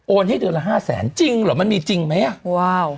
ให้เดือนละห้าแสนจริงเหรอมันมีจริงไหมอ่ะว้าว